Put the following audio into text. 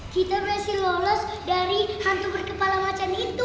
kita masih lolos dari hantu berkepala macan itu